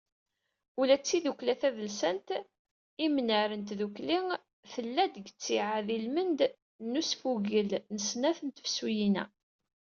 Ula d tidukkla tadelsant “Imnar n Tdukli”, tella deg ttiɛad ilmend n usfugel s snat n tefsuyin-a.